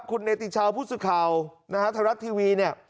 คุณเนติชาวพุศุข่าวทรัศน์ทีวี